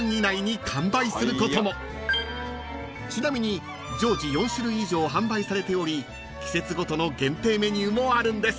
［ちなみに常時４種類以上販売されており季節ごとの限定メニューもあるんです］